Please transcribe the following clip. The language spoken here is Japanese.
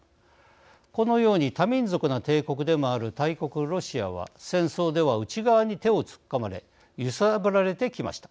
このように多民族な帝国でもある大国、ロシアは戦争では内側に手を突っ込まれ揺さぶられてきました。